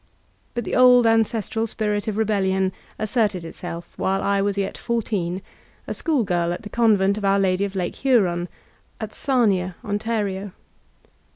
But the old ances tral spirit of rebellion asserted itself while I was yet fourteen, a schoolgirl at the Convent of Our Lady of Lake Huron, at Samia, Ontario.